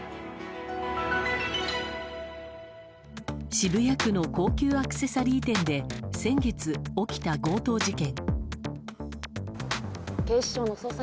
渋谷区の高級アクセサリー店で先月起きた強盗事件。